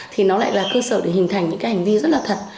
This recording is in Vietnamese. thì nó lại là cơ sở để hình thành những cái hành vi rất là thật